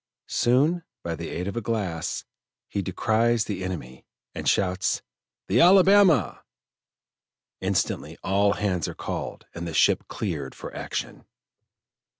Soon, by the aid of a glass, he descries the enemy, and shouts: "The Alabama!" Instantly all hands are called and the ship cleared for action.